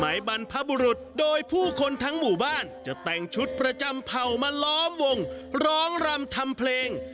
บรรพบุรุษโดยผู้คนทั้งหมู่บ้านจะแต่งชุดประจำเผ่ามาล้อมวงร้องรำทำเพลง